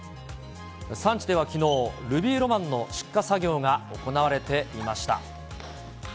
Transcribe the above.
産地ではきのう、ルビーロマンの出荷作業が行われていました。